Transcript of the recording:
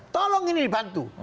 tolong ini dibantu